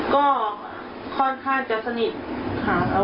ก็ค่อนข้างจะสนิทค่ะ